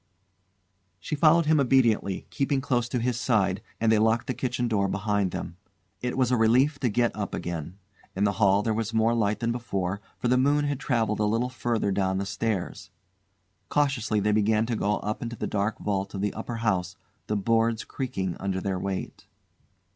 She followed him obediently, keeping close to his side, and they locked the kitchen door behind them. It was a relief to get up again. In the hall there was more light than before, for the moon had travelled a little further down the stairs. Cautiously they began to go up into the dark vault of the upper house, the boards creaking under their weight.